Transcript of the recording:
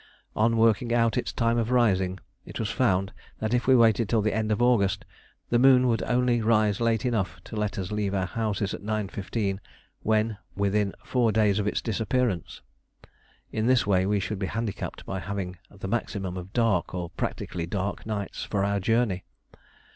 On working out its time of rising, it was found that if we waited till the end of August the moon would only rise late enough to let us leave our houses at 9.15, when within four days of its disappearance. In this way we should be handicapped by having the maximum of dark, or practically dark, nights for our journey.